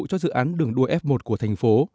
cho dự án đường đua f một của thành phố